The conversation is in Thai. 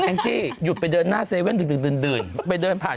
งจี้หยุดไปเดินหน้าเซเว่นดึกดื่นไปเดินผ่าน